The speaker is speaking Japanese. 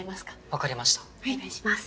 分かりましたお願いします。